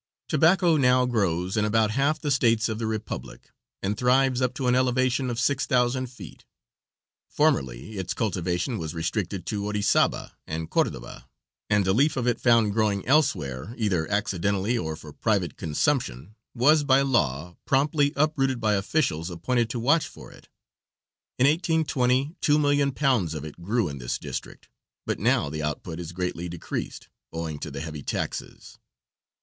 Tobacco now grows in about half the states of the Republic, and thrives up to an elevation of six thousand feet. Formerly its cultivation was restricted to Orizaba and Cordoba, and a leaf of it found growing elsewhere, either accidentally or for private consumption, was, by law, promptly uprooted by officials appointed to watch for it. In 1820 two million pounds of it grew in this district, but now the output is greatly decreased, owing to the heavy taxes.